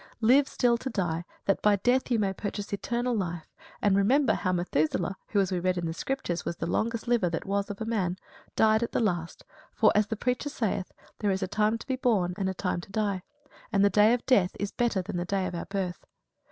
Live still to die, that by death you may purchase eternal life, and remember how Methuselah, who, as we read in the Scriptures, was the longest liver that was of a man, died at the last; for, as the Preacher saith, there is a time to be born and a time to die; and the day of death is better than the day of our birth.